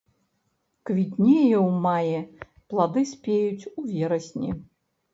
Квітнее ў маі, плады спеюць у верасні.